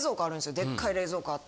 でっかい冷蔵庫あって。